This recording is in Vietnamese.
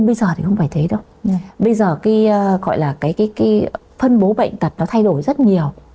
bây giờ cái phân bố bệnh tật nó thay đổi rất nhiều